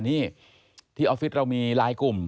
นี่ที่ออฟฟิศเรามีลายกลุ่ม